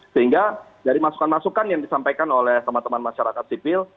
sehingga dari masukan masukan yang disampaikan oleh teman teman masyarakat sipil